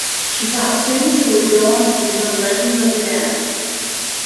She taught students who would go on to become legends of the dance.